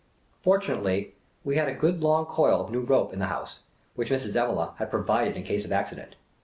Fortunately we had a good long coil of new rope in the house, which Mrs. Evelegh had provided in case of accident.